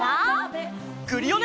クリオネ！